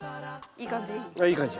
いい感じ？